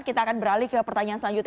kita akan beralih ke pertanyaan selanjutnya